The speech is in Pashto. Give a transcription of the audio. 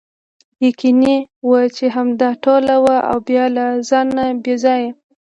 یقیني وه چې همدا ټوله وه او بیا له ځانه بې ځایه.